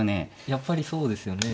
やっぱりそうですよね。